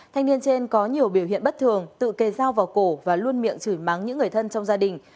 thanh niên trên có nhiều biểu hiện bất thường tự kê dao vào cổ và luôn miệng chửi mắng những người thân trong gia đình